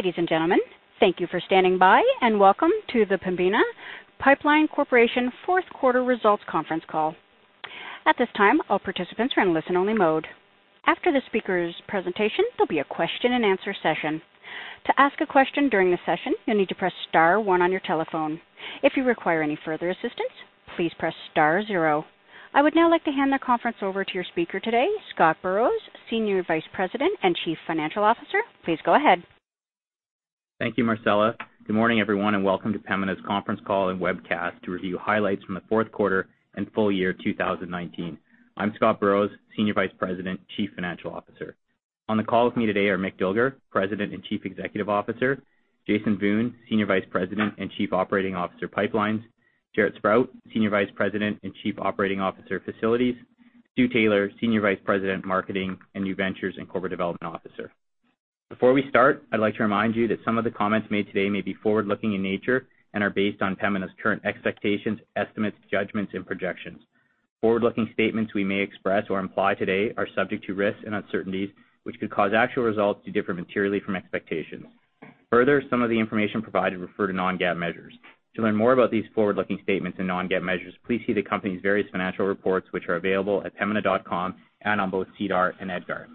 Ladies and gentlemen, thank you for standing by and welcome to the Pembina Pipeline Corporation fourth quarter results conference call. At this time, all participants are in listen-only mode. After the speaker's presentation, there will be a question and answer session. To ask a question during the session, you will need to press star one on your telephone. If you require any further assistance, please press star zero. I would now like to hand the conference over to your speaker today, Scott Burrows, Senior Vice President and Chief Financial Officer. Please go ahead. Thank you, Marcella. Good morning, everyone, and welcome to Pembina's conference call and webcast to review highlights from the fourth quarter and full year 2019. I'm Scott Burrows, Senior Vice President, Chief Financial Officer. On the call with me today are Mick Dilger, President and Chief Executive Officer, Jason Wiun, Senior Vice President and Chief Operating Officer, Pipelines, Jaret Sprott, Senior Vice President and Chief Operating Officer, Facilities, Stu Taylor, Senior Vice President, Marketing and New Ventures and Corporate Development Officer. Before we start, I'd like to remind you that some of the comments made today may be forward-looking in nature and are based on Pembina's current expectations, estimates, judgments and projections. Forward-looking statements we may express or imply today are subject to risks and uncertainties, which could cause actual results to differ materially from expectations. Further, some of the information provided refer to non-GAAP measures. To learn more about these forward-looking statements and non-GAAP measures, please see the company's various financial reports, which are available at pembina.com and on both SEDAR and EDGAR.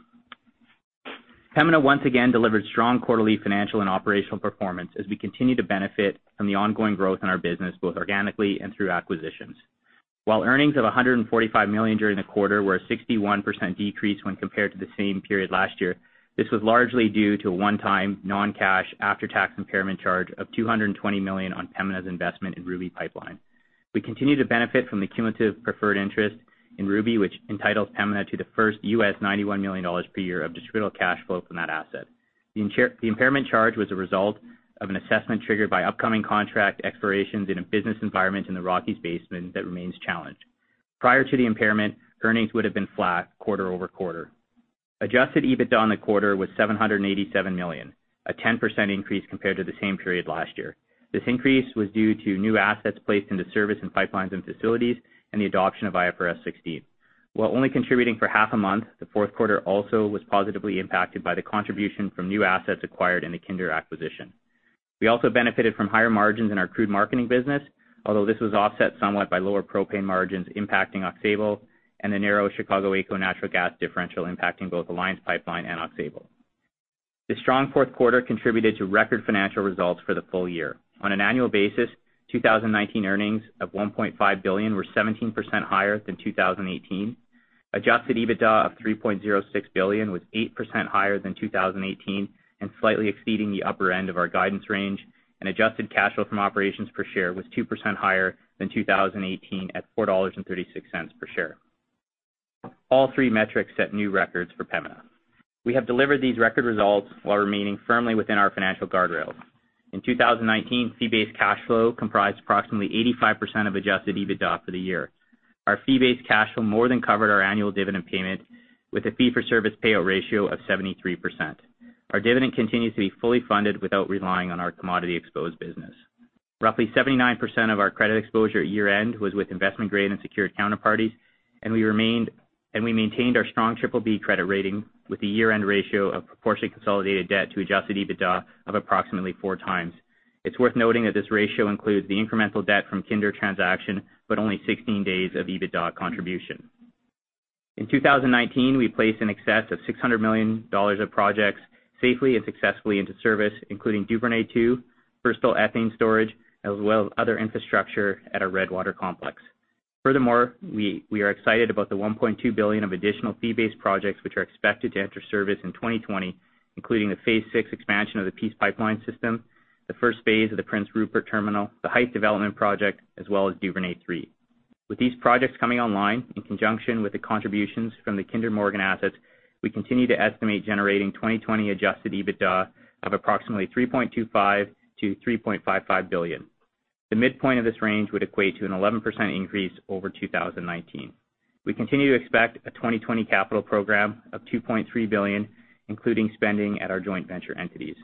Pembina once again delivered strong quarterly financial and operational performance as we continue to benefit from the ongoing growth in our business, both organically and through acquisitions. While earnings of 145 million during the quarter were a 61% decrease when compared to the same period last year, this was largely due to a one-time, non-cash, after-tax impairment charge of 220 million on Pembina's investment in Ruby Pipeline. We continue to benefit from the cumulative preferred interest in Ruby, which entitles Pembina to the first $91 million per year of distributable cash flow from that asset. The impairment charge was a result of an assessment triggered by upcoming contract expirations in a business environment in the Rockies basin that remains challenged. Prior to the impairment, earnings would've been flat quarter-over-quarter. Adjusted EBITDA on the quarter was 787 million, a 10% increase compared to the same period last year. This increase was due to new assets placed into service in pipelines and facilities and the adoption of IFRS 16. While only contributing for half a month, the fourth quarter also was positively impacted by the contribution from new assets acquired in the Kinder acquisition. We also benefited from higher margins in our crude marketing business, although this was offset somewhat by lower propane margins impacting Oxbow and the narrow Chicago AECO natural gas differential impacting both Alliance Pipeline and Oxbow. The strong fourth quarter contributed to record financial results for the full year. On an annual basis, 2019 earnings of 1.5 billion were 17% higher than 2018. Adjusted EBITDA of 3.06 billion was 8% higher than 2018 and slightly exceeding the upper end of our guidance range, and adjusted cash flow from operations per share was 2% higher than 2018 at 4.36 dollars per share. All three metrics set new records for Pembina. We have delivered these record results while remaining firmly within our financial guardrails. In 2019, fee-based cash flow comprised approximately 85% of adjusted EBITDA for the year. Our fee-based cash flow more than covered our annual dividend payment with a fee-for-service payout ratio of 73%. Our dividend continues to be fully funded without relying on our commodity-exposed business. Roughly 79% of our credit exposure at year-end was with investment-grade and secured counterparties, and we maintained our strong BBB credit rating with a year-end ratio of proportionate consolidated debt to adjusted EBITDA of approximately 4x. It's worth noting that this ratio includes the incremental debt from Kinder transaction, but only 16 days of EBITDA contribution. In 2019, we placed in excess of 600 million dollars of projects safely and successfully into service, including Duvernay II, Bristol Ethane Storage, as well as other infrastructure at our Redwater Complex. We are excited about the 1.2 billion of additional fee-based projects which are expected to enter service in 2020, including the Phase VI expansion of the Peace Pipeline system, the first phase of the Prince Rupert Terminal, the Heights development project, as well as Duvernay III. With these projects coming online in conjunction with the contributions from the Kinder Morgan assets, we continue to estimate generating 2020 adjusted EBITDA of approximately 3.25 billion-3.55 billion. The midpoint of this range would equate to an 11% increase over 2019. We continue to expect a 2020 capital program of 2.3 billion, including spending at our joint venture entities.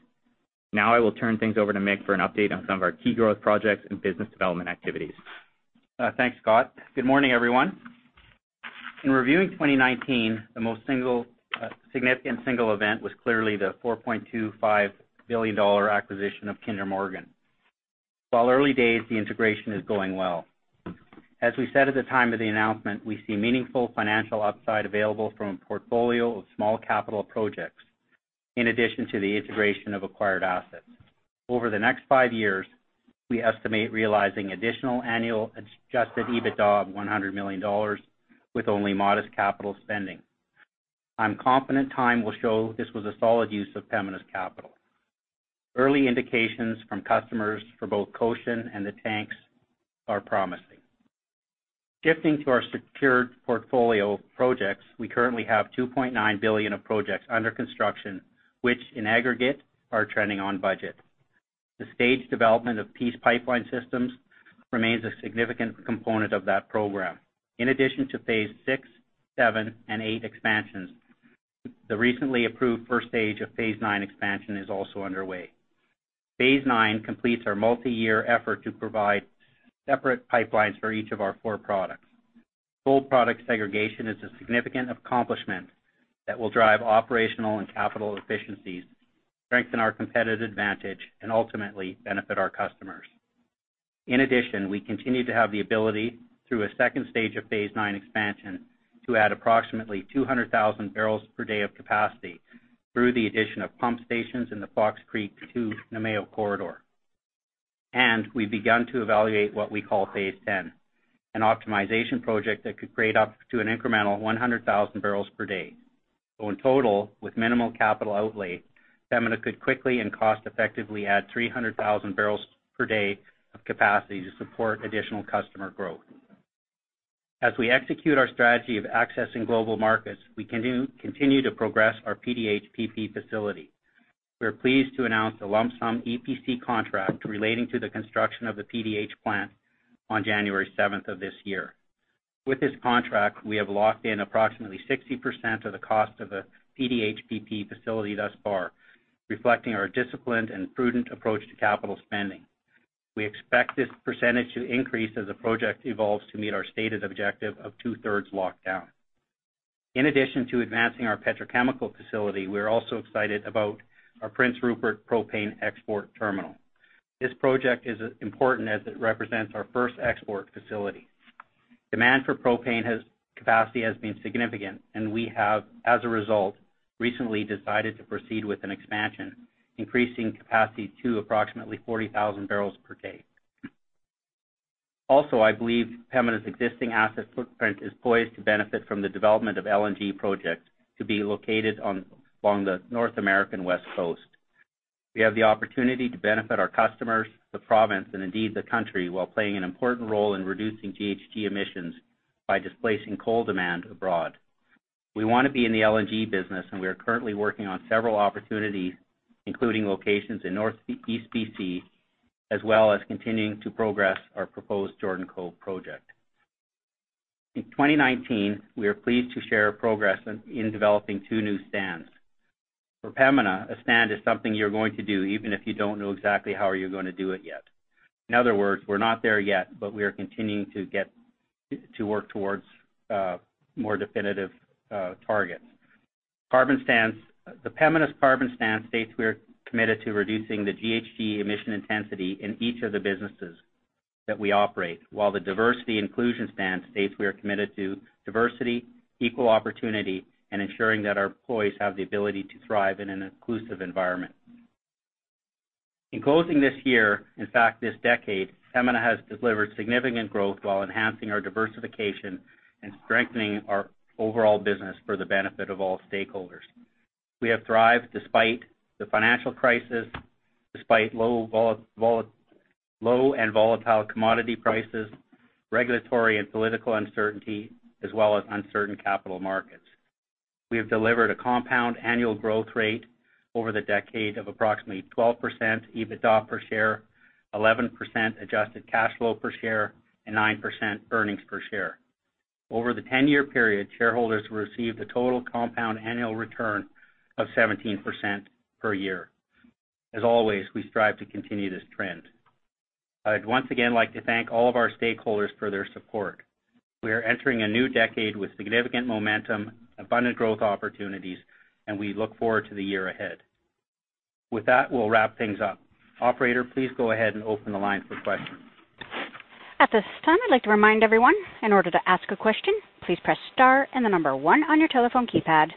Now I will turn things over to Mick for an update on some of our key growth projects and business development activities. Thanks, Scott. Good morning, everyone. In reviewing 2019, the most significant single event was clearly the 4.25 billion dollar acquisition of Kinder Morgan. While early days, the integration is going well. As we said at the time of the announcement, we see meaningful financial upside available from a portfolio of small capital projects, in addition to the integration of acquired assets. Over the next five years, we estimate realizing additional annual adjusted EBITDA of 100 million dollars with only modest capital spending. I'm confident time will show this was a solid use of Pembina's capital. Early indications from customers for both Cochin and the tanks are promising. Shifting to our secured portfolio of projects, we currently have 2.9 billion of projects under construction, which in aggregate are trending on budget. The staged development of Peace Pipeline systems remains a significant component of that program. In addition to Phase VI, VII, and VIII expansions, the recently approved first stage of Phase IX expansion is also underway. Phase IX completes our multi-year effort to provide separate pipelines for each of our four products. Full product segregation is a significant accomplishment that will drive operational and capital efficiencies, strengthen our competitive advantage, and ultimately benefit our customers. We continue to have the ability, through a second stage of Phase IX expansion, to add approximately 200,000 bbl per day of capacity through the addition of pump stations in the Fox Creek to Namao corridor. We've begun to evaluate what we call Phase X, an optimization project that could create up to an incremental 100,000 bbl per day. In total, with minimal capital outlay, Pembina could quickly and cost-effectively add 300,000 bbl per day of capacity to support additional customer growth. As we execute our strategy of accessing global markets, we continue to progress our PDH/PP facility. We are pleased to announce the lump sum EPC contract relating to the construction of the PDH plant on January 7th of this year. With this contract, we have locked in approximately 60% of the cost of the PDH/PP facility thus far, reflecting our disciplined and prudent approach to capital spending. We expect this percentage to increase as the project evolves to meet our stated objective of two-thirds locked down. In addition to advancing our petrochemical facility, we're also excited about our Prince Rupert propane export terminal. This project is important as it represents our first export facility. Demand for propane capacity has been significant, and we have, as a result, recently decided to proceed with an expansion, increasing capacity to approximately 40,000 bbl per day. I believe Pembina's existing asset footprint is poised to benefit from the development of LNG projects to be located along the North American West Coast. We have the opportunity to benefit our customers, the province, and indeed the country while playing an important role in reducing GHG emissions by displacing coal demand abroad. We want to be in the LNG business, and we are currently working on several opportunities, including locations in Northeast B.C., as well as continuing to progress our proposed Jordan Cove project. In 2019, we are pleased to share progress in developing two new stands. For Pembina, a stand is something you're going to do even if you don't know exactly how you're going to do it yet. In other words, we're not there yet, but we are continuing to work towards more definitive targets. Pembina's carbon stand states we are committed to reducing the GHG emission intensity in each of the businesses that we operate, while the diversity inclusion stand states we are committed to diversity, equal opportunity, and ensuring that our employees have the ability to thrive in an inclusive environment. In closing this year, in fact, this decade, Pembina has delivered significant growth while enhancing our diversification and strengthening our overall business for the benefit of all stakeholders. We have thrived despite the financial crisis, despite low and volatile commodity prices, regulatory and political uncertainty, as well as uncertain capital markets. We have delivered a compound annual growth rate over the decade of approximately 12% EBITDA per share, 11% adjusted cash flow per share, and 9% earnings per share. Over the 10-year period, shareholders received a total compound annual return of 17% per year. As always, we strive to continue this trend. I'd once again like to thank all of our stakeholders for their support. We are entering a new decade with significant momentum, abundant growth opportunities, and we look forward to the year ahead. With that, we'll wrap things up. Operator, please go ahead and open the line for questions. At this time, I'd like to remind everyone, in order to ask a question, please press star and the number one on your telephone keypad.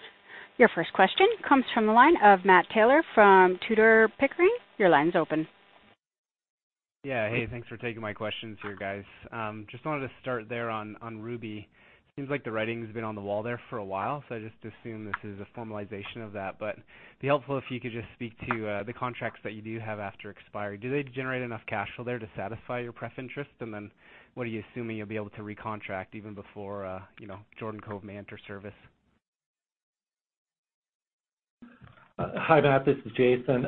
Your first question comes from the line of Matt Taylor from Tudor, Pickering. Your line's open. Hey, thanks for taking my questions here, guys. Wanted to start there on Ruby. Seems like the writing's been on the wall there for a while. I assume this is a formalization of that. It'd be helpful if you could speak to the contracts that you do have after expiry. Do they generate enough cash flow there to satisfy your preferred interest? What are you assuming you'll be able to recontract even before Jordan Cove may enter service? Hi, Matt. This is Jason.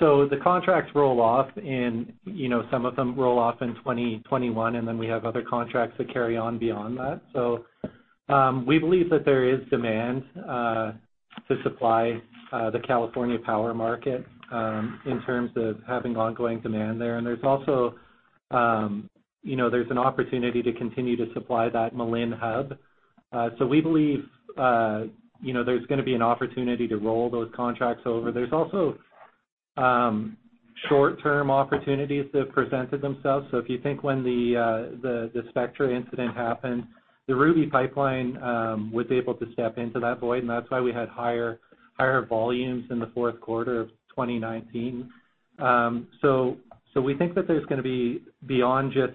The contracts roll off, and some of them roll off in 2021, and then we have other contracts that carry on beyond that. We believe that there is demand to supply the California power market in terms of having ongoing demand there. There's also an opportunity to continue to supply that Malin Hub. We believe there's going to be an opportunity to roll those contracts over. There's also short-term opportunities that have presented themselves. If you think when the Spectra incident happened, the Ruby Pipeline was able to step into that void, and that's why we had higher volumes in the fourth quarter of 2019. We think that there's going to be beyond just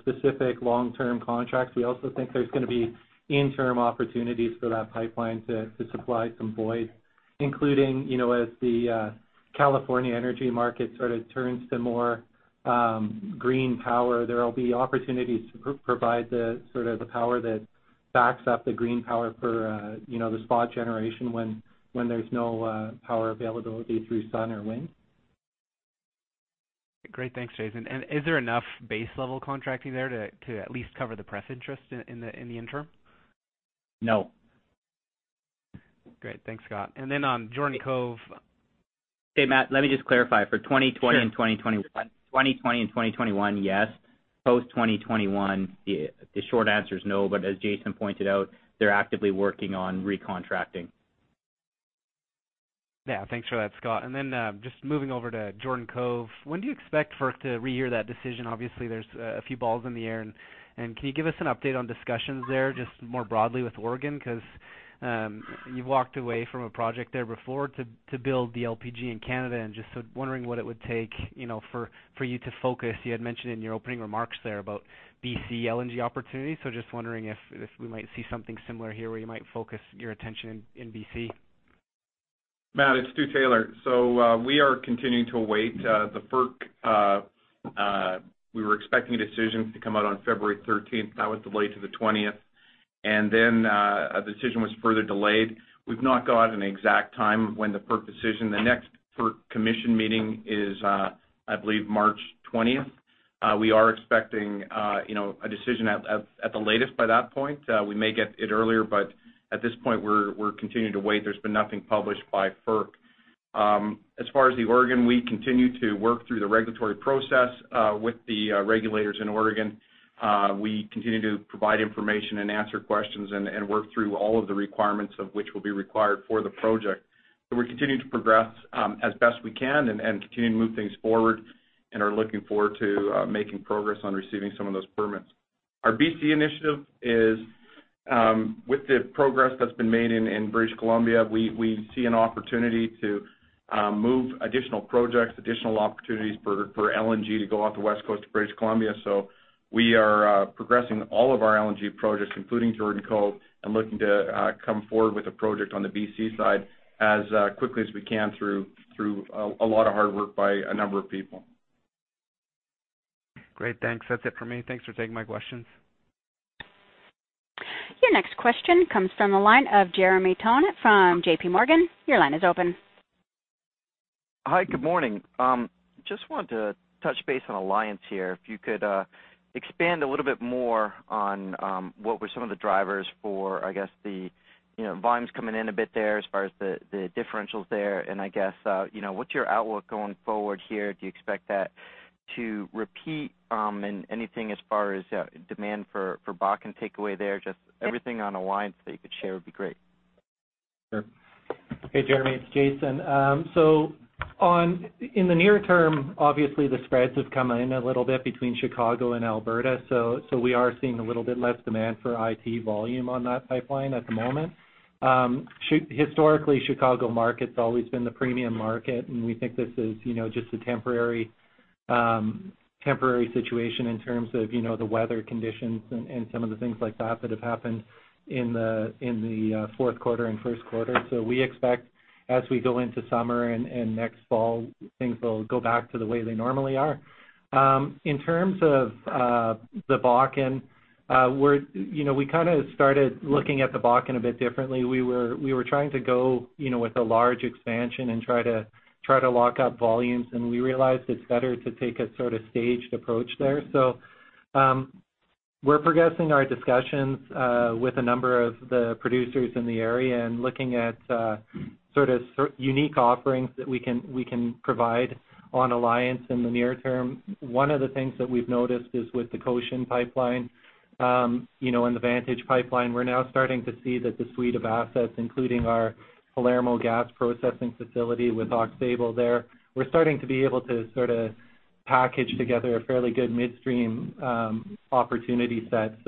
specific long-term contracts, we also think there's going to be interim opportunities for that pipeline to supply some void, including as the California energy market sort of turns to more green power, there will be opportunities to provide the power that backs up the green power for the spot generation when there's no power availability through sun or wind. Great. Thanks, Jason. Is there enough base-level contracting there to at least cover the preferred interest in the interim? No. Great. Thanks, Scott. On Jordan Cove. Hey, Matt, let me just clarify. For 2020 and 2021, yes. Post 2021, the short answer is no, but as Jason pointed out, they're actively working on recontracting. Yeah, thanks for that, Scott. Just moving over to Jordan Cove, when do you expect FERC to rehear that decision? Obviously, there's a few balls in the air, and can you give us an update on discussions there, just more broadly with Oregon? You've walked away from a project there before to build the LPG in Canada, and just wondering what it would take for you to focus. You had mentioned in your opening remarks there about BC LNG opportunities, just wondering if we might see something similar here where you might focus your attention in BC. Matt, it's Stu Taylor. We are continuing to await the FERC. We were expecting a decision to come out on February 13th. That was delayed to the 20th, and then a decision was further delayed. The next FERC commission meeting is, I believe, March 20th. We are expecting a decision at the latest by that point. We may get it earlier, but at this point, we're continuing to wait. There's been nothing published by FERC. As far as the Oregon, we continue to work through the regulatory process, with the regulators in Oregon. We continue to provide information and answer questions and work through all of the requirements of which will be required for the project. We're continuing to progress as best we can and continue to move things forward and are looking forward to making progress on receiving some of those permits. Our B.C. initiative is, with the progress that's been made in British Columbia, we see an opportunity to move additional projects, additional opportunities for LNG to go out the West Coast of British Columbia. We are progressing all of our LNG projects, including Jordan Cove, and looking to come forward with a project on the B.C. side as quickly as we can through a lot of hard work by a number of people. Great. Thanks. That's it for me. Thanks for taking my questions. Your next question comes from the line of Jeremy Tonet from JPMorgan. Your line is open. Hi. Good morning. Just wanted to touch base on Alliance here, if you could expand a little bit more on what were some of the drivers for, I guess, the volumes coming in a bit there as far as the differentials there and I guess, what's your outlook going forward here? Do you expect that to repeat? Anything as far as demand for Bakken takeaway there, just everything on Alliance that you could share would be great. Sure. Hey, Jeremy, it's Jason. In the near term, obviously the spreads have come in a little bit between Chicago and Alberta, so we are seeing a little bit less demand for IT volume on that pipeline at the moment. Historically, Chicago market's always been the premium market, and we think this is just a temporary situation in terms of the weather conditions and some of the things like that that have happened in the fourth quarter and first quarter. We expect as we go into summer and next fall, things will go back to the way they normally are. In terms of the Bakken, we kind of started looking at the Bakken a bit differently. We were trying to go with a large expansion and try to lock up volumes, and we realized it's better to take a sort of staged approach there. We're progressing our discussions with a number of the producers in the area and looking at sort of unique offerings that we can provide on Alliance in the near term. One of the things that we've noticed is with the Cochin Pipeline, and the Vantage Pipeline, we're now starting to see that the suite of assets, including our Palermo gas processing facility with Oxbow there, we're starting to be able to sort of package together a fairly good midstream opportunity set.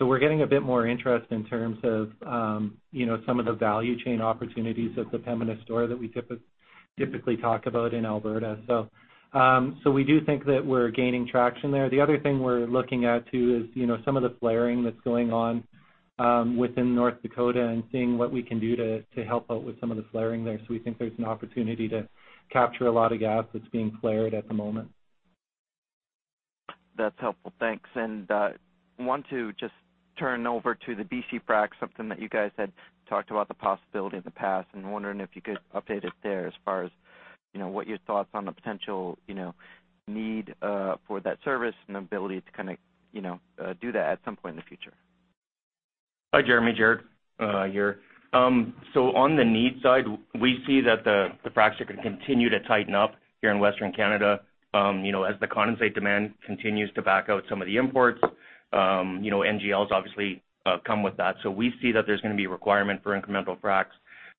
We're getting a bit more interest in terms of some of the value chain opportunities of the Pembina store that we typically talk about in Alberta. We do think that we're gaining traction there. The other thing we're looking at too is some of the flaring that's going on within North Dakota and seeing what we can do to help out with some of the flaring there. We think there's an opportunity to capture a lot of gas that's being flared at the moment. That's helpful. Thanks. Want to just turn over to the B.C. fracs, something that you guys had talked about the possibility in the past, wondering if you could update us there as far as what your thoughts on the potential need for that service and ability to kind of do that at some point in the future. Hi, Jeremy. Jaret here. On the need side, we see that the fracs are going to continue to tighten up here in Western Canada as the condensate demand continues to back out some of the imports. NGLs obviously come with that. We see that there's going to be requirement for incremental fracs.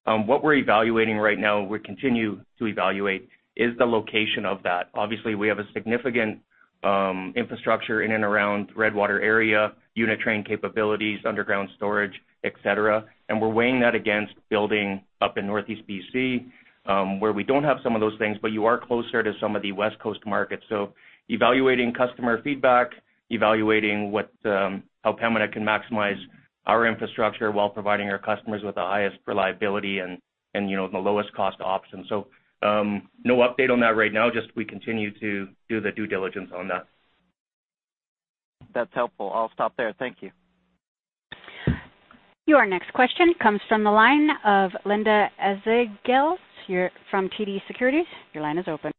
What we're evaluating right now, we continue to evaluate, is the location of that. Obviously, we have a significant infrastructure in and around Redwater area, unit train capabilities, underground storage, et cetera, and we're weighing that against building up in Northeast BC, where we don't have some of those things, but you are closer to some of the West Coast markets. Evaluating customer feedback, evaluating how Pembina can maximize our infrastructure while providing our customers with the highest reliability and the lowest cost option. No update on that right now, just we continue to do the due diligence on that. That's helpful. I'll stop there. Thank you. Your next question comes from the line of Linda Ezergailis from TD Securities. Your line is open.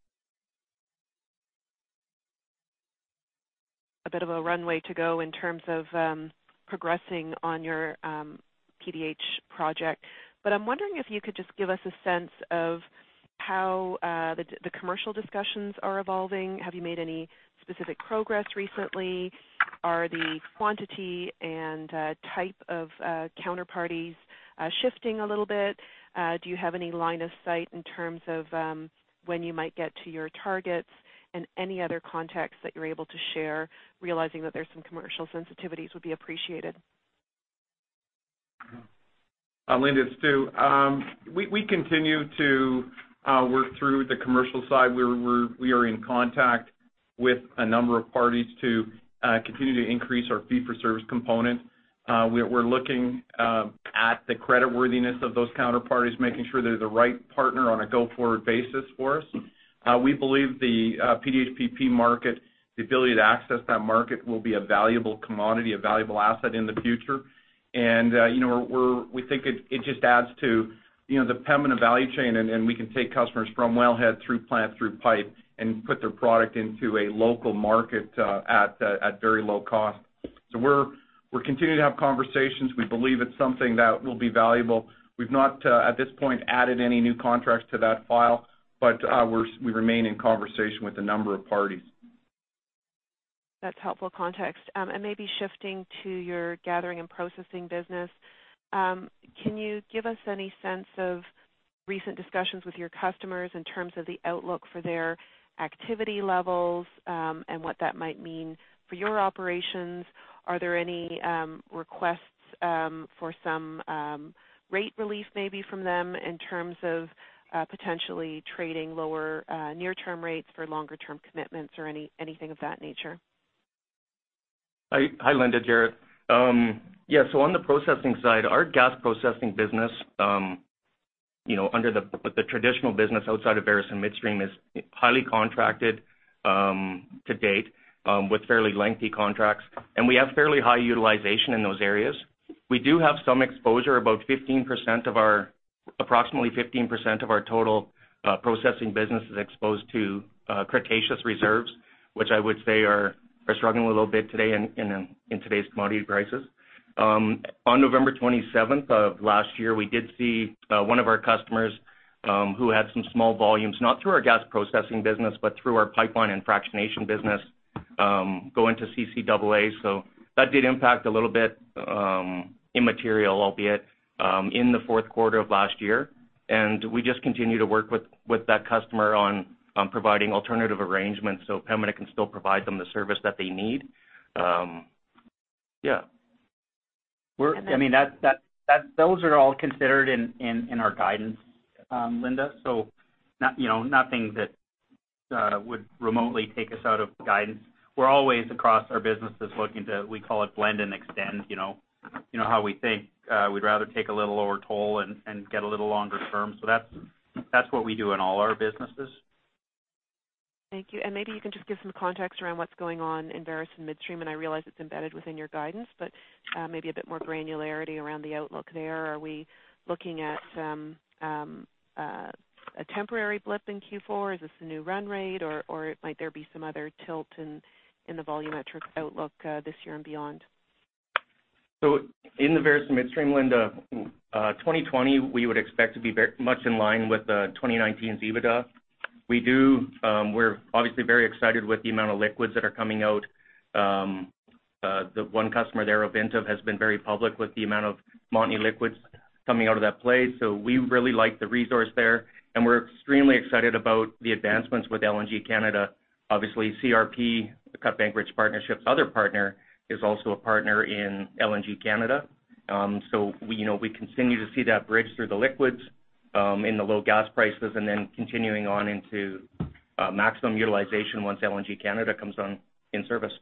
A bit of a runway to go in terms of progressing on your PDH project. I'm wondering if you could just give us a sense of how the commercial discussions are evolving. Have you made any specific progress recently? Are the quantity and type of counterparties shifting a little bit? Do you have any line of sight in terms of when you might get to your targets? Any other context that you're able to share, realizing that there's some commercial sensitivities, would be appreciated. Linda, it's Stu. We continue to work through the commercial side. We are in contact with a number of parties to continue to increase our fee-for-service component. We're looking at the creditworthiness of those counterparties, making sure they're the right partner on a go-forward basis for us. We believe the PDH/PP market, the ability to access that market will be a valuable commodity, a valuable asset in the future. We think it just adds to the Pembina value chain, and we can take customers from wellhead through plant, through pipe, and put their product into a local market at very low cost. We're continuing to have conversations. We believe it's something that will be valuable. We've not, at this point, added any new contracts to that file. We remain in conversation with a number of parties. That's helpful context. Maybe shifting to your gathering and processing business, can you give us any sense of recent discussions with your customers in terms of the outlook for their activity levels and what that might mean for your operations? Are there any requests for some rate relief maybe from them in terms of potentially trading lower near-term rates for longer-term commitments or anything of that nature? Hi, Linda. Jaret. Yeah. On the processing side, our gas processing business under the traditional business outside of Veresen Midstream is highly contracted to date with fairly lengthy contracts, and we have fairly high utilization in those areas. We do have some exposure. Approximately 15% of our total processing business is exposed to Cretaceous reserves, which I would say are struggling a little bit today in today's commodity prices. On November 27th of last year, we did see one of our customers who had some small volumes, not through our gas processing business, but through our pipeline and fractionation business, go into CCAA. That did impact a little bit, immaterial albeit, in the fourth quarter of last year. We just continue to work with that customer on providing alternative arrangements so Pembina can still provide them the service that they need. Yeah. Those are all considered in our guidance, Linda. Nothing that would remotely take us out of guidance. We're always, across our businesses, looking to, we call it blend and extend. You know how we think. We'd rather take a little lower toll and get a little longer term. That's what we do in all our businesses. Thank you. Maybe you can just give some context around what's going on in Veresen Midstream, and I realize it's embedded within your guidance, but maybe a bit more granularity around the outlook there. Are we looking at a temporary blip in Q4? Is this a new run rate or might there be some other tilt in the volumetric outlook this year and beyond? In the Veresen Midstream, Linda, 2020, we would expect to be much in line with 2019's EBITDA. We're obviously very excited with the amount of liquids that are coming out. The one customer there, Ovintiv, has been very public with the amount of Montney liquids coming out of that play. We really like the resource there, and we're extremely excited about the advancements with LNG Canada. Obviously, CRP, Cutbank Ridge Partnership's other partner, is also a partner in LNG Canada. We continue to see that bridge through the liquids in the low gas prices and then continuing on into maximum utilization once LNG Canada comes in service.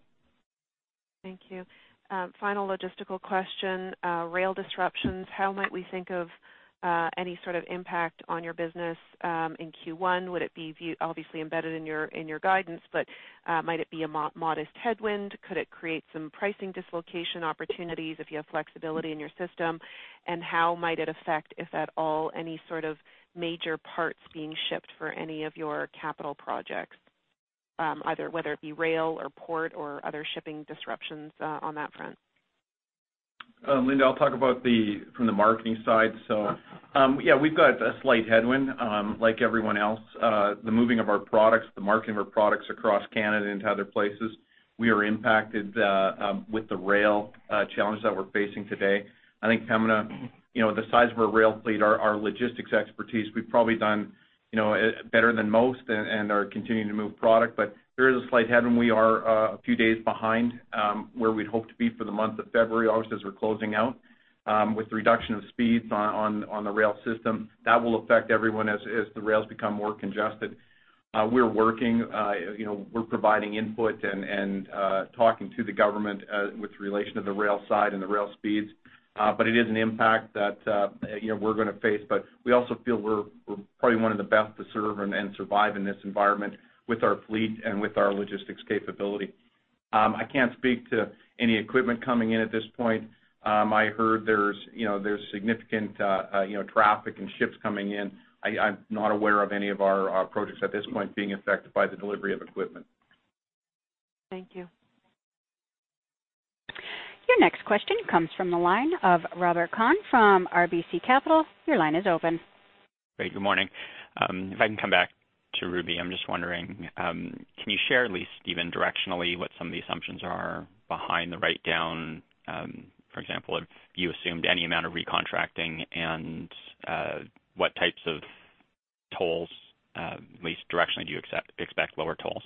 Thank you. Final logistical question. Rail disruptions, how might we think of any sort of impact on your business in Q1? Would it be obviously embedded in your guidance, but might it be a modest headwind? Could it create some pricing dislocation opportunities if you have flexibility in your system? How might it affect, if at all, any sort of major parts being shipped for any of your capital projects, whether it be rail or port or other shipping disruptions on that front? Linda, I'll talk about from the marketing side. Yeah, we've got a slight headwind like everyone else. The moving of our products, the marketing of our products across Canada into other places, we are impacted with the rail challenges that we're facing today. I think Pembina, the size of our rail fleet, our logistics expertise, we've probably done better than most and are continuing to move product. There is a slight headwind. We are a few days behind where we'd hoped to be for the month of February, obviously as we're closing out. With the reduction of speeds on the rail system, that will affect everyone as the rails become more congested. We're working. We're providing input and talking to the government with relation to the rail side and the rail speeds. It is an impact that we're going to face. We also feel we're probably one of the best to serve and survive in this environment with our fleet and with our logistics capability. I can't speak to any equipment coming in at this point. I heard there's significant traffic and ships coming in. I'm not aware of any of our projects at this point being affected by the delivery of equipment. Thank you. Your next question comes from the line of Robert Kwan from RBC Capital Markets. Your line is open. Great. Good morning. If I can come back to Ruby, I'm just wondering, can you share at least even directionally, what some of the assumptions are behind the write-down? For example, if you assumed any amount of recontracting and what types of tolls, at least directionally, do you expect lower tolls?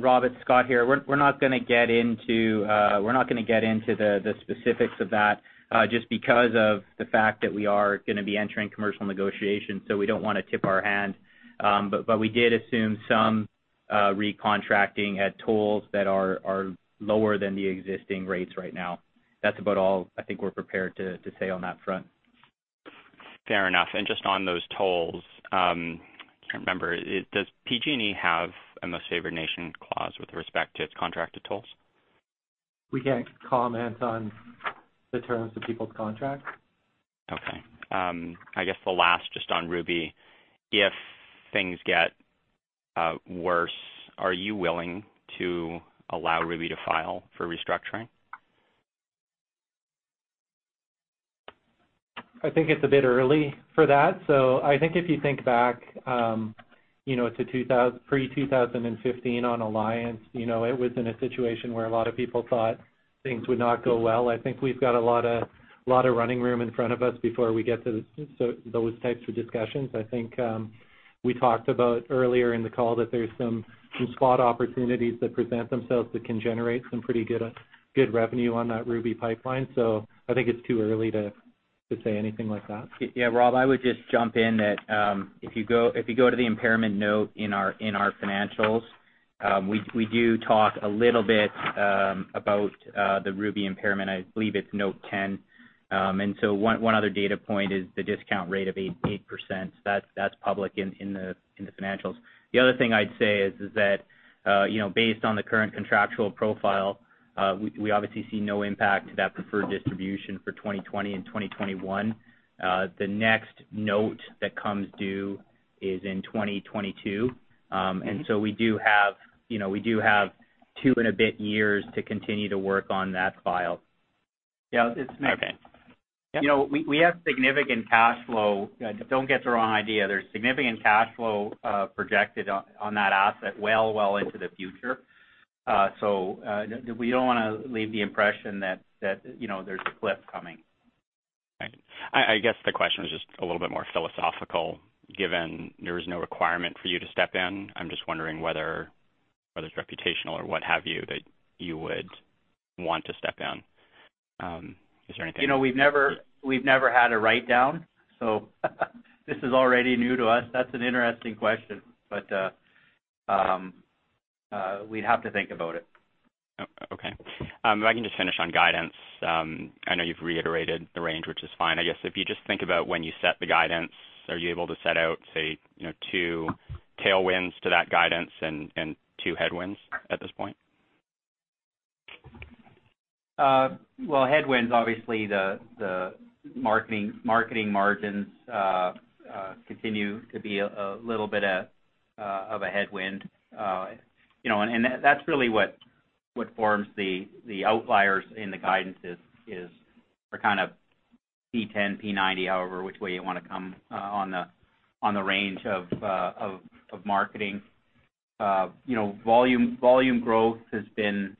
Rob, it's Scott here. We're not going to get into the specifics of that, just because of the fact that we are going to be entering commercial negotiations, so we don't want to tip our hand. We did assume some recontracting at tolls that are lower than the existing rates right now. That's about all I think we're prepared to say on that front. Fair enough. Just on those tolls, trying to remember, does PG&E have a most favored nation clause with respect to its contracted tolls? We can't comment on the terms of people's contracts. Okay. I guess the last, just on Ruby, if things get worse, are you willing to allow Ruby to file for restructuring? I think it's a bit early for that. I think if you think back, to pre-2015 on Alliance, it was in a situation where a lot of people thought things would not go well. I think we've got a lot of running room in front of us before we get to those types of discussions. I think we talked about, earlier in the call, that there's some spot opportunities that present themselves that can generate some pretty good revenue on that Ruby Pipeline. I think it's too early to say anything like that. Rob, I would just jump in that if you go to the impairment note in our financials, we do talk a little bit about the Ruby impairment. I believe it's note 10. One other data point is the discount rate of 8%. That's public in the financials. The other thing I'd say is that, based on the current contractual profile, we obviously see no impact to that preferred distribution for 2020 and 2021. The next note that comes due is in 2022. We do have two and a bit years to continue to work on that file. Yeah. Okay. We have significant cash flow. Don't get the wrong idea. There's significant cash flow projected on that asset well into the future. We don't want to leave the impression that there's a cliff coming. Right. I guess the question was just a little bit more philosophical, given there is no requirement for you to step in. I'm just wondering whether it's reputational or what have you, that you would want to step in. We've never had a write-down. This is already new to us. That's an interesting question. We'd have to think about it. Okay. If I can just finish on guidance. I know you've reiterated the range, which is fine. I guess if you just think about when you set the guidance, are you able to set out, say, two tailwinds to that guidance and two headwinds at this point? Well, headwinds, obviously, the marketing margins continue to be a little bit of a headwind. That's really what forms the outliers in the guidances is for P10, P90, however which way you want to come on the range of marketing. Volume growth has been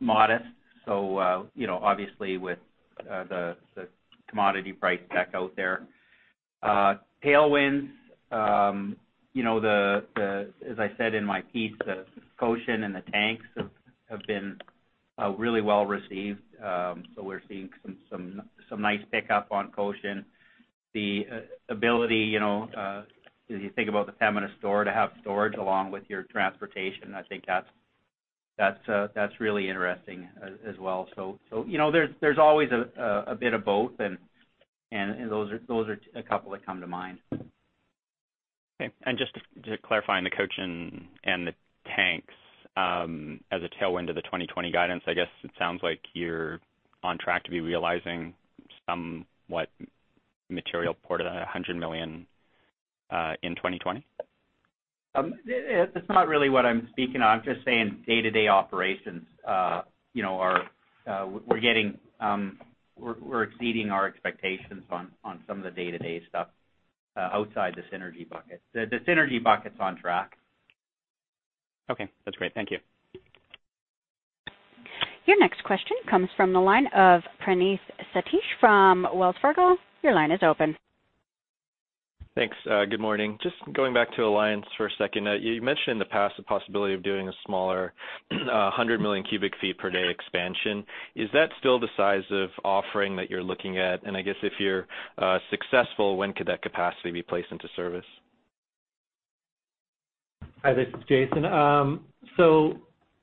modest, obviously, with the commodity price deck out there. Tailwinds, as I said in my piece, the Cochin and the tanks have been really well-received. We're seeing some nice pickup on Cochin. The ability, as you think about the Pembina store to have storage along with your transportation, I think that's really interesting as well. There's always a bit of both, and those are a couple that come to mind. Okay. Just to clarify on the Cochin and the tanks, as a tailwind to the 2020 guidance, I guess it sounds like you're on track to be realizing somewhat material portion of CAD 100 million in 2020? That's not really what I'm speaking on. I'm just saying day-to-day operations, we're exceeding our expectations on some of the day-to-day stuff outside the synergy bucket. The synergy bucket's on track. Okay. That's great. Thank you. Your next question comes from the line of Praneeth Satish from Wells Fargo. Your line is open. Thanks. Good morning. Just going back to Alliance for a second. Now, you mentioned in the past the possibility of doing a smaller 100 million cu ft per day expansion. Is that still the size of offering that you're looking at? I guess if you're successful, when could that capacity be placed into service? Hi, this is Jason.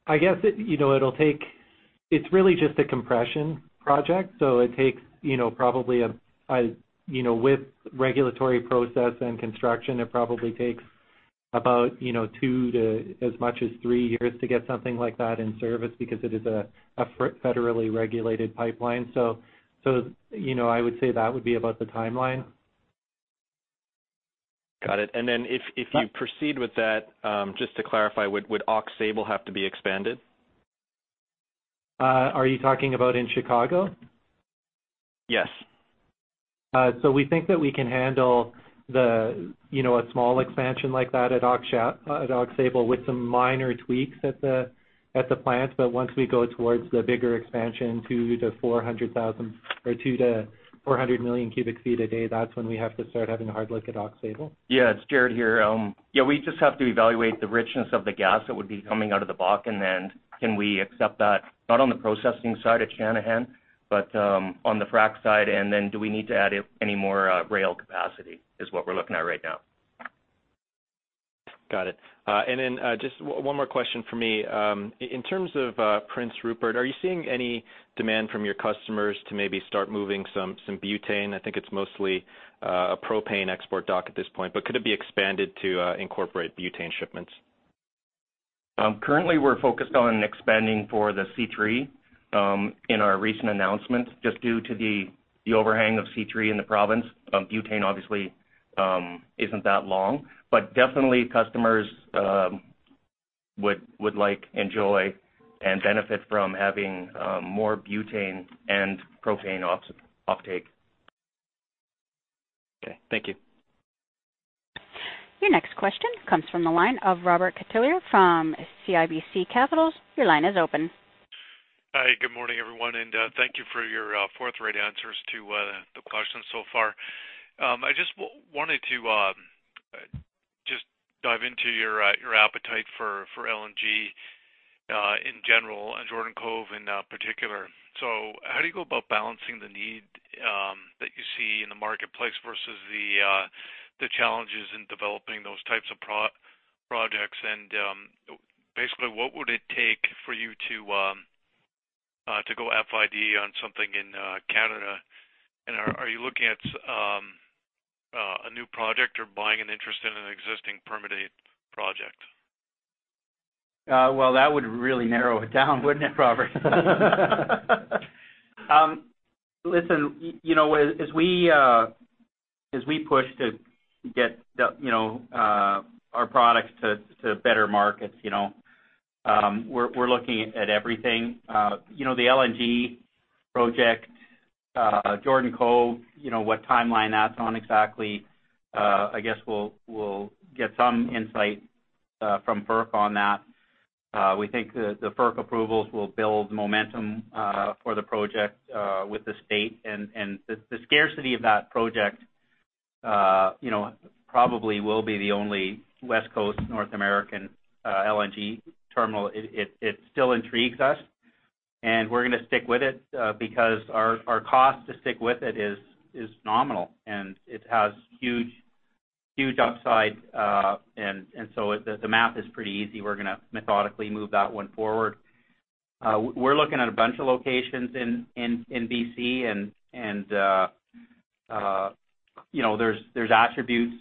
I guess, it's really just a compression project, so with regulatory process and construction, it probably takes about two to as much as three years to get something like that in service because it is a federally regulated pipeline. I would say that would be about the timeline. Got it. If you proceed with that, just to clarify, would Aux Sable have to be expanded? Are you talking about in Chicago? Yes. We think that we can handle a small expansion like that at Aux Sable with some minor tweaks at the plant. Once we go towards the bigger expansion, 2 to 400 million cubic feet a day, that's when we have to start having a hard look at Aux Sable. It's Jaret here. We just have to evaluate the richness of the gas that would be coming out of the Bakken, then can we accept that, not on the processing side at Channahon, but on the frack side. Do we need to add any more rail capacity is what we're looking at right now. Got it. Just one more question from me. In terms of Prince Rupert, are you seeing any demand from your customers to maybe start moving some butane? I think it's mostly a propane export dock at this point, but could it be expanded to incorporate butane shipments? Currently, we're focused on expanding for the C3 in our recent announcements, just due to the overhang of C3 in the province. Butane obviously isn't that long. Definitely customers would like, enjoy, and benefit from having more butane and propane uptake. Okay. Thank you. Your next question comes from the line of Robert Catellier from CIBC Capital Markets. Your line is open. Hi, good morning, everyone, and thank you for your forthright answers to the questions so far. I just wanted to just dive into your appetite for LNG, in general, and Jordan Cove in particular. How do you go about balancing the need that you see in the marketplace versus the challenges in developing those types of projects? Basically, what would it take for you to go FID on something in Canada? Are you looking at a new project or buying an interest in an existing permitted project? That would really narrow it down, wouldn't it, Robert? Listen, as we push to get our products to better markets, we're looking at everything. The LNG project, Jordan Cove, what timeline that's on exactly, I guess we'll get some insight from FERC on that. We think the FERC approvals will build momentum for the project with the state, the scarcity of that project probably will be the only West Coast North American LNG terminal. It still intrigues us, we're going to stick with it because our cost to stick with it is nominal, and it has huge upside. The math is pretty easy. We're going to methodically move that one forward. We're looking at a bunch of locations in B.C., there's attributes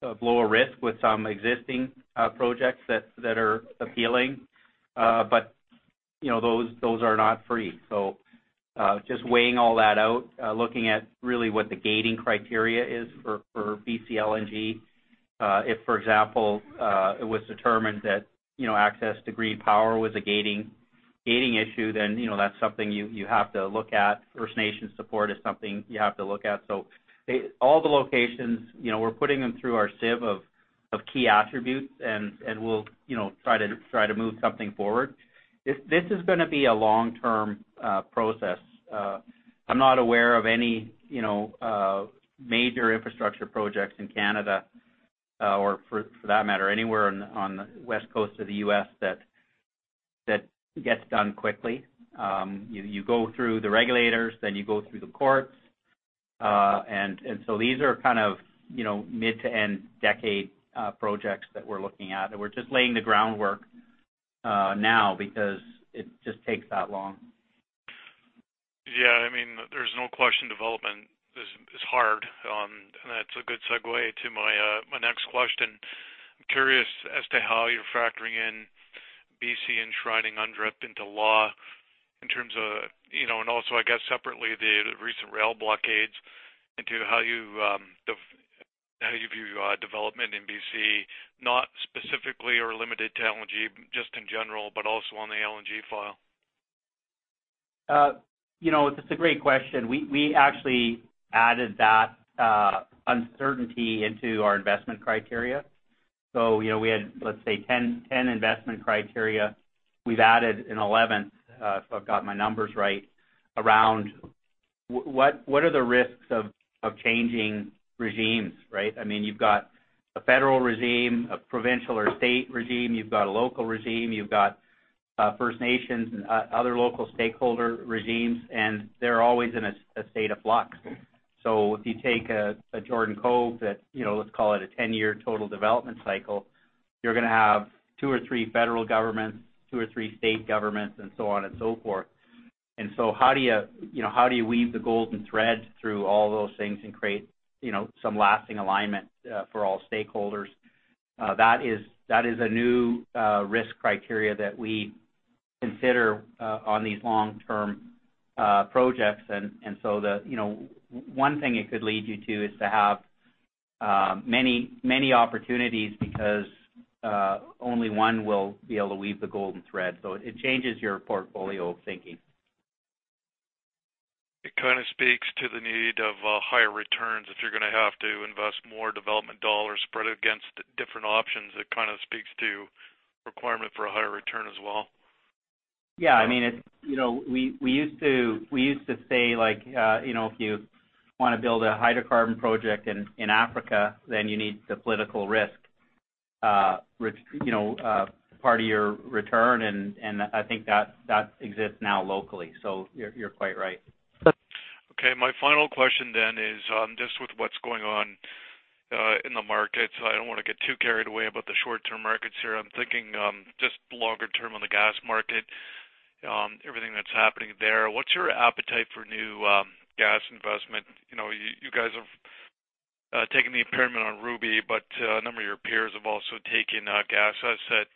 of lower risk with some existing projects that are appealing. Those are not free. Just weighing all that out, looking at really what the gating criteria is for BC LNG. If, for example, it was determined that access to green power was a gating issue, that's something you have to look at. First Nation support is something you have to look at. All the locations, we're putting them through our sieve of key attributes, we'll try to move something forward. This is going to be a long-term process. I'm not aware of any major infrastructure projects in Canada, or for that matter, anywhere on the West Coast of the U.S. that gets done quickly. You go through the regulators, you go through the courts. These are kind of mid to end decade projects that we're looking at, we're just laying the groundwork now because it just takes that long. Yeah, there's no question development is hard. That's a good segue to my next question. I'm curious as to how you're factoring in B.C. enshrining UNDRIP into law in terms of and also, I guess separately, the recent rail blockades into how you view development in B.C., not specifically or limited to LNG, just in general, but also on the LNG file. It's a great question. We actually added that uncertainty into our investment criteria. We had, let's say, 10 investment criteria. We've added an 11th, if I've got my numbers right, around what are the risks of changing regimes, right? You've got a federal regime, a provincial or state regime, you've got a local regime, you've got First Nations and other local stakeholder regimes, and they're always in a state of flux. If you take a Jordan Cove that, let's call it a 10-year total development cycle, you're going to have two or three federal governments, two or three state governments, and so on and so forth. How do you weave the golden thread through all those things and create some lasting alignment for all stakeholders? That is a new risk criteria that we Consider on these long-term projects. One thing it could lead you to is to have many opportunities because only one will be able to weave the golden thread. It changes your portfolio thinking. It kind of speaks to the need of higher returns if you're going to have to invest more development dollars spread against different options. It kind of speaks to requirement for a higher return as well. Yeah. We used to say, if you want to build a hydrocarbon project in Africa, then you need the political risk part of your return. I think that exists now locally, so you're quite right. My final question is just with what's going on in the markets, I don't want to get too carried away about the short-term markets here. I'm thinking just longer term on the gas market, everything that's happening there. What's your appetite for new gas investment? You guys have taken the impairment on Ruby, a number of your peers have also taken gas asset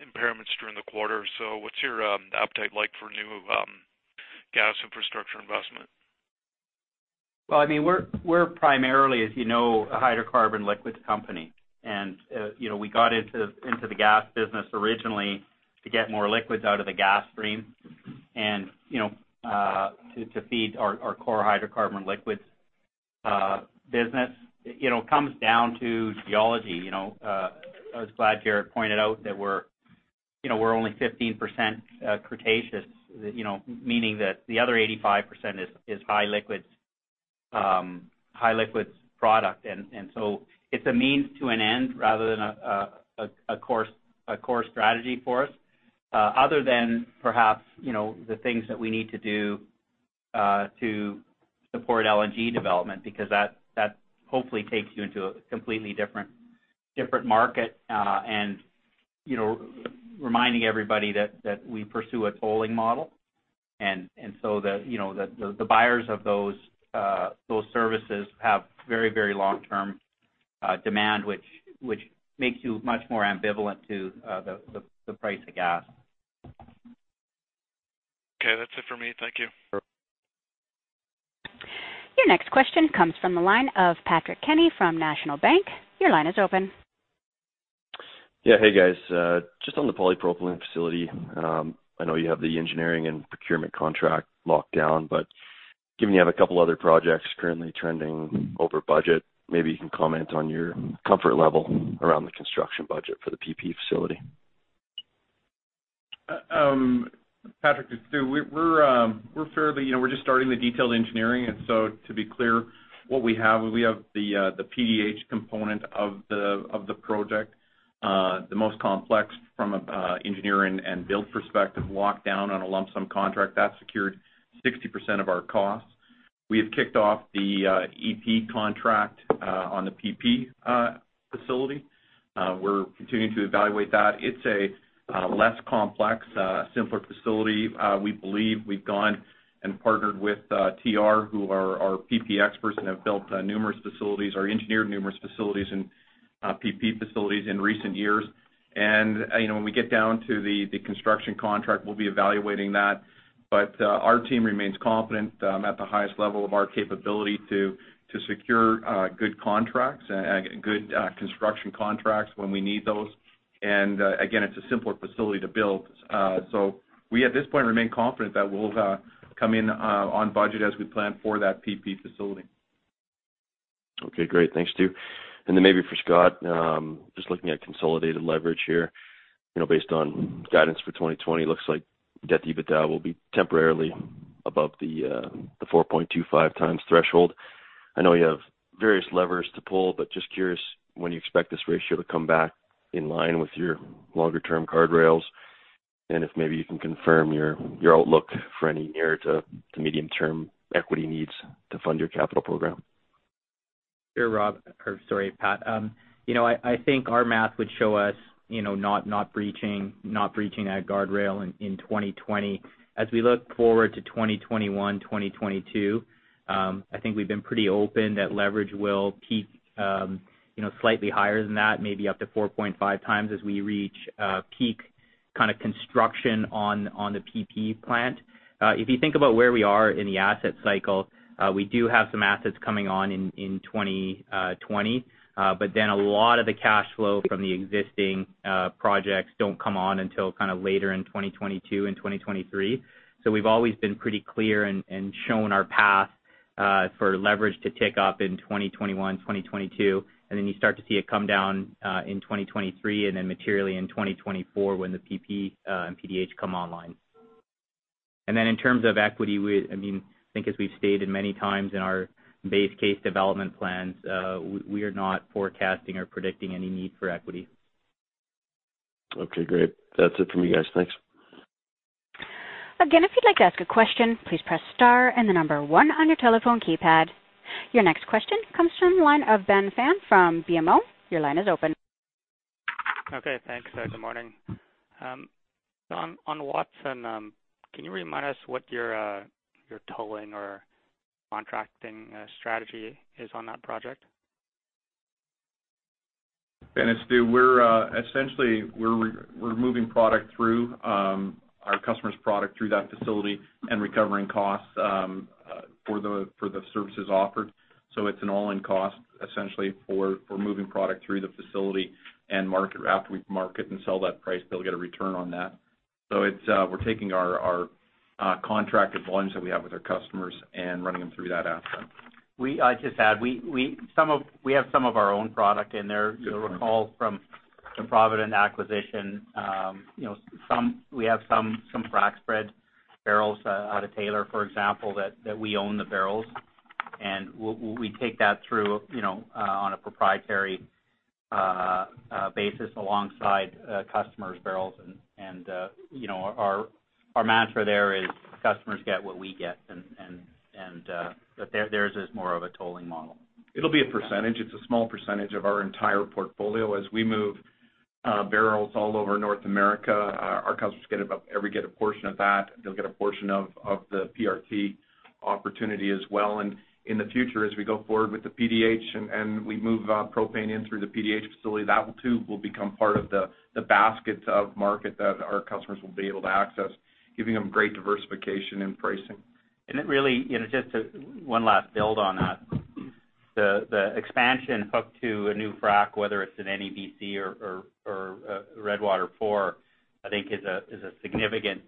impairments during the quarter. What's your appetite like for new gas infrastructure investment? Well, we're primarily, as you know, a hydrocarbon liquids company. We got into the gas business originally to get more liquids out of the gas stream and to feed our core hydrocarbon liquids business. It comes down to geology. I was glad Jaret pointed out that we're only 15% Cretaceous, meaning that the other 85% is high liquids product. It's a means to an end rather than a core strategy for us, other than perhaps the things that we need to do to support LNG development, because that hopefully takes you into a completely different market. Reminding everybody that we pursue a tolling model, and so the buyers of those services have very long-term demand, which makes you much more ambivalent to the price of gas. Okay. That's it for me. Thank you. Your next question comes from the line of Patrick Kenny from National Bank. Your line is open. Yeah. Hey, guys. Just on the polypropylene facility. I know you have the engineering and procurement contract locked down. Given you have a couple other projects currently trending over budget, maybe you can comment on your comfort level around the construction budget for the PP facility. Patrick, it's Stu. We're just starting the detailed engineering, and so to be clear, what we have, we have the PDH component of the project. The most complex from an engineer and build perspective, locked down on a lump sum contract that secured 60% of our costs. We have kicked off the EP contract on the PP facility. We're continuing to evaluate that. It's a less complex, simpler facility. We believe we've gone and partnered with TR, who are our PP experts and have built numerous facilities or engineered numerous facilities and PP facilities in recent years. When we get down to the construction contract, we'll be evaluating that. Our team remains confident at the highest level of our capability to secure good construction contracts when we need those. Again, it's a simpler facility to build. We at this point remain confident that we'll come in on budget as we plan for that PP facility. Okay, great. Thanks, Stu. Then maybe for Scott, just looking at consolidated leverage here, based on guidance for 2020, looks like debt to EBITDA will be temporarily above the 4.25 times threshold. I know you have various levers to pull, but just curious when you expect this ratio to come back in line with your longer-term guardrails, and if maybe you can confirm your outlook for any near to medium-term equity needs to fund your capital program. Sure, Rob. Or sorry, Pat. I think our math would show us not breaching that guardrail in 2020. As we look forward to 2021, 2022, I think we've been pretty open that leverage will peak slightly higher than that, maybe up to 4.5x as we reach peak construction on the PP plant. If you think about where we are in the asset cycle, we do have some assets coming on in 2020. But then a lot of the cash flow from the existing projects don't come on until later in 2022 and 2023. We've always been pretty clear and shown our path for leverage to tick up in 2021, 2022. You start to see it come down in 2023 and then materially in 2024 when the PP and PDH come online. In terms of equity, I think as we've stated many times in our base case development plans, we are not forecasting or predicting any need for equity. Okay, great. That's it for me, guys. Thanks. Again, if you'd like to ask a question, please press star and the number one on your telephone keypad. Your next question comes from the line of Ben Pham from BMO. Your line is open. Okay, thanks. Good morning. On Watson, can you remind us what your tolling or contracting strategy is on that project? Ben, it's Stu. Essentially, we're moving our customer's product through that facility and recovering costs for the services offered. It's an all-in cost, essentially, for moving product through the facility and after we've market and sell that price, they'll get a return on that. We're taking our contracted volumes that we have with our customers and running them through that asset. I'll just add, we have some of our own product in there. Yeah. You'll recall from the Provident acquisition, we have some frac spread barrels out of Taylor, for example, that we own the barrels, and we take that through on a proprietary basis alongside customers' bbl. Our mantra there is customers get what we get, but theirs is more of a tolling model. It'll be a percentage. It's a small percentage of our entire portfolio. As we move bbl all over North America, our customers every get a portion of that. They'll get a portion of the PRT opportunity as well. In the future, as we go forward with the PDH and we move propane in through the PDH facility, that too will become part of the basket of market that our customers will be able to access, giving them great diversification in pricing. It really, just one last build on that. The expansion hook to a new frac, whether it's at NEBC or Redwater 4, I think is a significant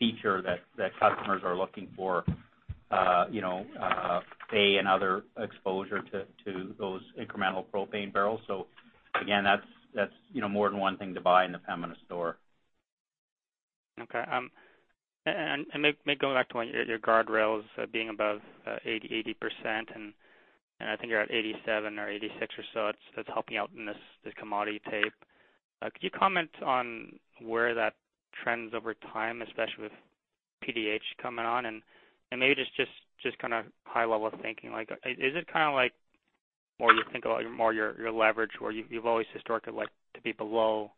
feature that customers are looking for, A, another exposure to those incremental propane barrels. Again, that's more than one thing to buy in the Pembina store. Okay. Maybe going back to your guardrails being above 80%, and I think you're at 87% or 86% or so, that's helping out in this commodity tape. Could you comment on where that trends over time, especially with PDH coming on? Maybe just high level of thinking. Is it like, more you think about more your leverage, where you've always historically liked to be below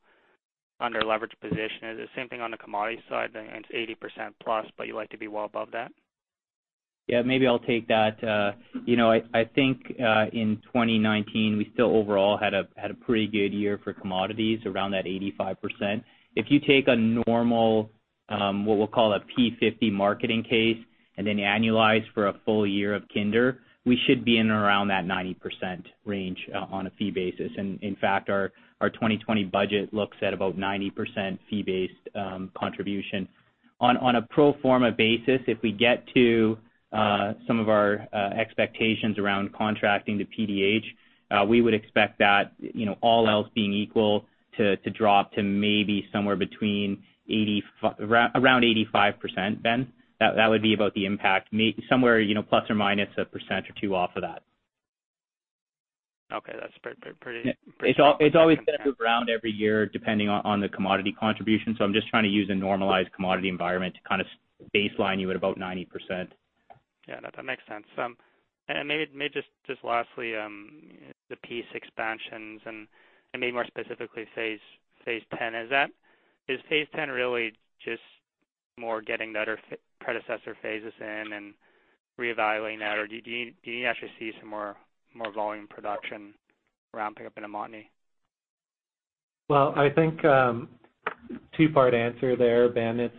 under-leveraged position? Is it the same thing on the commodity side? It's 80%+, but you like to be well above that. Yeah, maybe I'll take that. I think, in 2019, we still overall had a pretty good year for commodities around that 85%. If you take a normal, what we'll call a P50 marketing case, and then annualize for a full year of Kinder, we should be in around that 90% range on a fee basis. And in fact, our 2020 budget looks at about 90% fee-based contribution. On a pro forma basis, if we get to some of our expectations around contracting to PDH, we would expect that, all else being equal, to drop to maybe somewhere between around 85%, Ben. That would be about the impact. Somewhere plus or minus a percent or two off of that. Okay. It's always going to move around every year depending on the commodity contribution, so I'm just trying to use a normalized commodity environment to baseline you at about 90%. That makes sense. Maybe just lastly, the Peace expansions and maybe more specifically Phase X. Is Phase X really just more getting the other predecessor phases in and reevaluating that? Or do you actually see some more volume production ramp up in Montney? Well, I think, two-part answer there, Ben.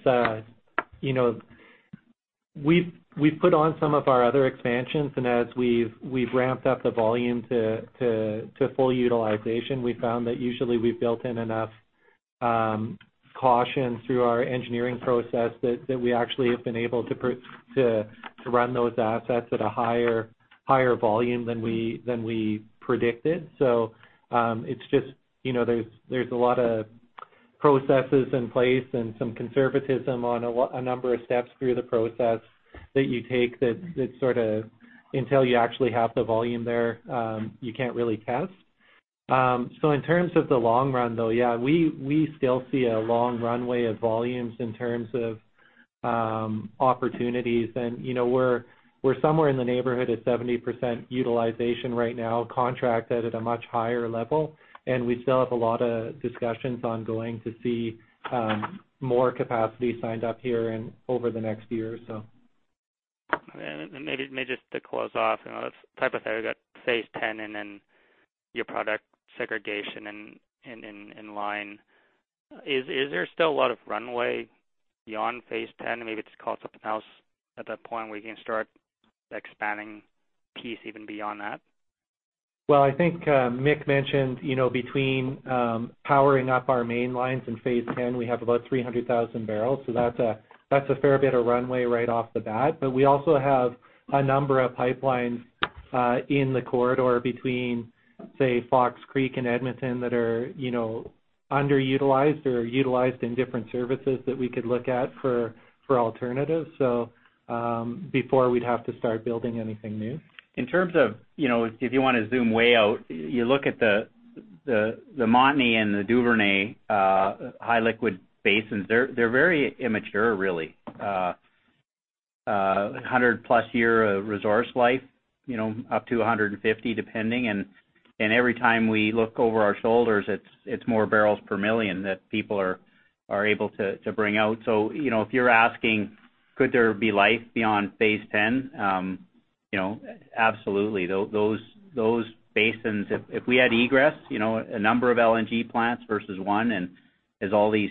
We've put on some of our other expansions, and as we've ramped up the volume to full utilization, we found that usually we've built in enough caution through our engineering process that we actually have been able to run those assets at a higher volume than we predicted. It's just there's a lot of processes in place and some conservatism on a number of steps through the process that you take, that until you actually have the volume there, you can't really test. In terms of the long run, though, yeah, we still see a long runway of volumes in terms of opportunities. We're somewhere in the neighborhood at 70% utilization right now, contracted at a much higher level, and we still have a lot of discussions ongoing to see more capacity signed up here over the next year or so. Maybe just to close off, let's tie up there. We've got Phase X and then your product segregation in line. Is there still a lot of runway beyond Phase X? Maybe it's called something else at that point where you can start expanding Peace even beyond that. Well, I think Mick mentioned between powering up our main lines in Phase X, we have about 300,000 bbl. That's a fair bit of runway right off the bat. We also have a number of pipelines in the corridor between, say, Fox Creek and Edmonton, that are underutilized or utilized in different services that we could look at for alternatives before we'd have to start building anything new. In terms of, if you want to zoom way out, you look at the Montney and the Duvernay high liquid basins, they're very immature, really. 100+ year of resource life, up to 150, depending. Every time we look over our shoulders, it's more barrels per million that people are able to bring out. If you're asking, could there be life beyond Phase X? Absolutely. Those basins, if we had egress, a number of LNG plants versus one, as all these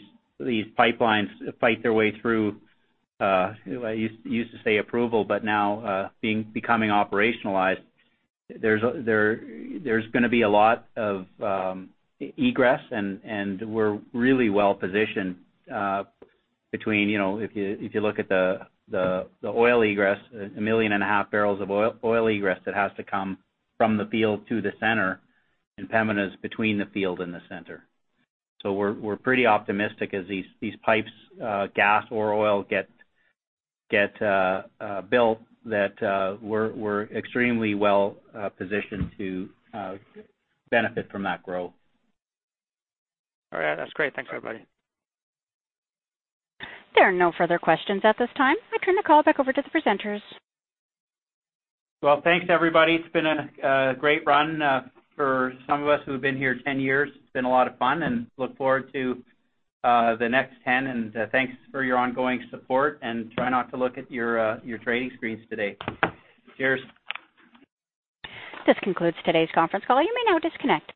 pipelines fight their way through, I used to say approval, but now becoming operationalized, there's going to be a lot of egress, and we're really well-positioned. If you look at the oil egress, 1.5 million bbl of oil egress that has to come from the field to the center, and Pembina's between the field and the center. We're pretty optimistic as these pipes, gas or oil, get built, that we're extremely well-positioned to benefit from that growth. All right. That's great. Thanks, everybody. There are no further questions at this time. I turn the call back over to the presenters. Well, thanks, everybody. It's been a great run. For some of us who've been here 10 years, it's been a lot of fun, and look forward to the next 10. Thanks for your ongoing support, and try not to look at your trading screens today. Cheers. This concludes today's conference call. You may now disconnect.